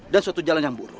dan suatu jalan yang buruk